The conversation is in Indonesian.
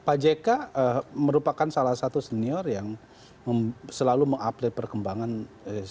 pak jk merupakan salah satu senior yang selalu mengupdate perkembangan